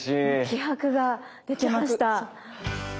気迫が出てました。